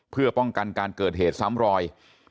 เพื่อป้องกันการเกิดเหตุซ้ำรอย